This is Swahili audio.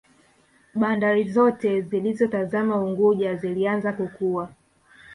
Bandari Zote zilizotazama Unguja zilianza kukua